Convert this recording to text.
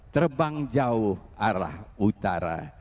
terbang jauh arah utara